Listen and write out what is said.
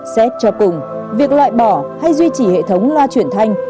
xét cho cùng việc loại bỏ hay duy trì hệ thống loa chuyển thanh